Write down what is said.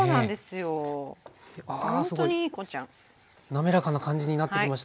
滑らかな感じになってきました。